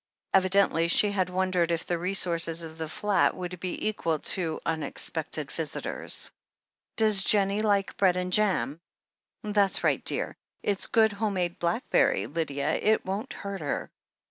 Evidently she had won dered if the resources of the flat would be equal to unex pected visitors. "Does Jennie like bread and jam ? That's right, dear — it's good, home made blackberry, Lydia, it won't hurt her.